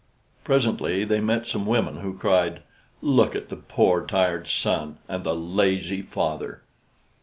Presently they met some women who cried, "Look at the poor tired son and lazy father!"